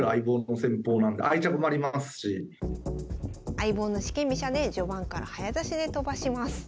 相棒の四間飛車で序盤から早指しで飛ばします。